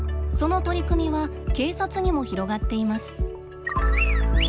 その取り組みは警察にも広がっています。